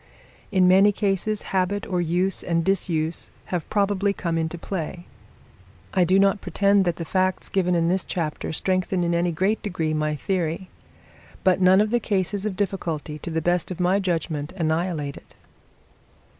In many cases habit or use and disuse have probably come into play. I do not pretend that the facts given in this chapter strengthen in any great degree my theory; but none of the cases of difficulty, to the best of my judgment, annihilate it.